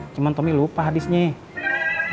cuman tommy lupa hadisnya